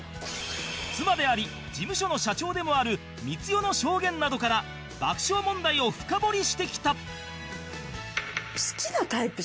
妻であり事務所の社長でもある光代の証言などから爆笑問題を深掘りしてきた